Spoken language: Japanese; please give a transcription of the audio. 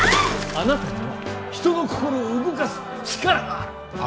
あなたには人の心を動かす力がある！